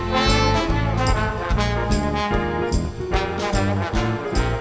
มีทีจะมาช่วยที่ลุย